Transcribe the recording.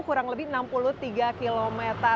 kurang lebih enam puluh tiga km